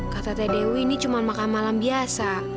kata teh dewi ini cuma makan malam biasa